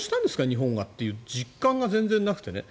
日本がという実感が全然なくてね。